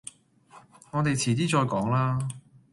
我哋遲啲再講啦